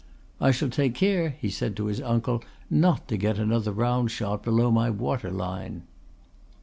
"I shall take care," he said to his uncle, "not to get another round shot below my water line."